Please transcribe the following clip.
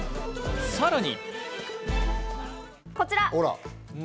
さらに。